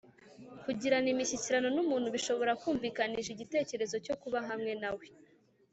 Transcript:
kugirana imishyikirano n umuntu bishobora kumvikanisha igitekerezo cyo kuba hamwe na we